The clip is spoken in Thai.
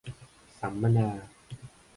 สัมมนา